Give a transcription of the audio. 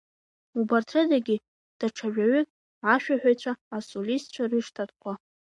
Убарҭ рыдагьы, даҽа жәаҩык ашәаҳәацәа-асолистцәа рыштатқәа.